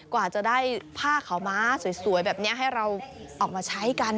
กว่าจะได้ผ้าขาวม้าสวยแบบนี้ให้เราออกมาใช้กัน